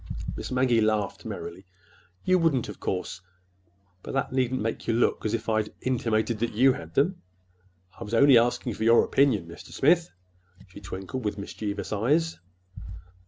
Miss Maggie laughed merrily. "You wouldn't, of course—but that needn't make you look as if I'd intimated that you had them! I was only asking for your opinion, Mr. Smith," she twinkled, with mischievous eyes.